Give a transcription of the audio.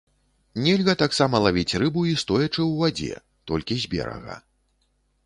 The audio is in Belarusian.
Нельга таксама лавіць рыбу і стоячы ў вадзе, толькі з берага.